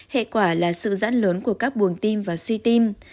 hệ quả là sự giãn lớn của các buồng tim và suy tim